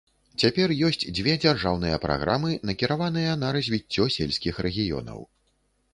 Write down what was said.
Цяпер ёсць дзве дзяржаўныя праграмы, накіраваныя на развіццё сельскіх рэгіёнаў.